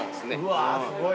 うわすごい。